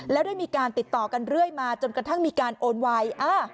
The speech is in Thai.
แล้วได้มีการติดต่อกันเรื่อยมาจนกระทั่งมีการโอนไว